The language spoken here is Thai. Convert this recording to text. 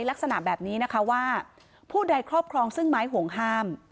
ลักษณะแบบนี้นะคะว่าผู้ใดครอบครองซึ่งไม้ห่วงห้าม